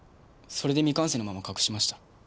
それで未完成のまま隠しました。